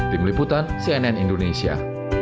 tim liputan cnn indonesia